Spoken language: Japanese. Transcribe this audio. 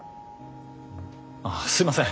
ああすいません